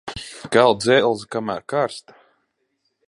Kal dzelzi, kamēr karsta.